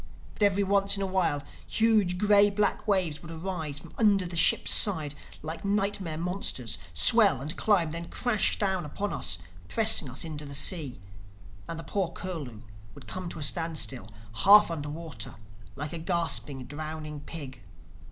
But every once in a while huge gray black waves would arise from under the ship's side like nightmare monsters, swell and climb, then crash down upon us, pressing us into the sea; and the poor Curlew would come to a standstill, half under water, like a gasping, drowning pig.